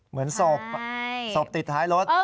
เหมือนศพศพติดท้ายรถใช่ไหมครับ